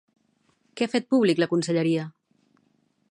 Què ha fet públic la conselleria?